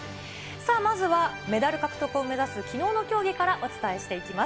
さあ、まずはメダル獲得を目指す、きのうの競技からお伝えしていきます。